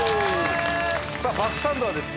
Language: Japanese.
さあバスサンドはですね